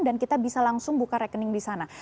dan kita bisa langsung buka rekening di sana